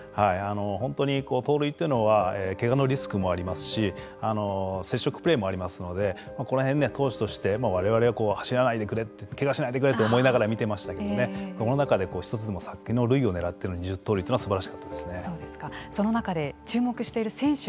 本当に、盗塁というのはけがのリスクもありますし接触プレーもありますのでこの辺、投手として我々は、走らないでくれけがしないでくれと思いながら見てましたけれどもその中で一つでも先の塁をねらっての２０盗塁というのはすばらしかったですね。